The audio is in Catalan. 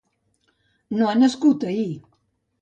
No ha nascut ahir.